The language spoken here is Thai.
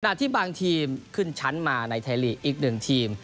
ระดับที่บางทีมขึ้นชั้นมาในทายลีกอีก๑ทีม